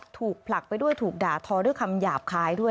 ถูกผลักไปด้วยถูกด่าทอด้วยคำหยาบคายด้วย